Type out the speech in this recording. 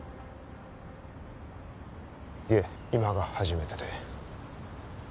いえ今が初めてで